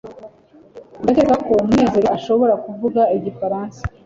ndakeka ko munezero ashobora kuvuga igifaransa